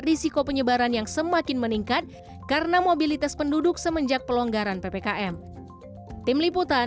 risiko penyebaran yang semakin meningkat karena mobilitas penduduk semenjak pelonggaran ppkm tim liputan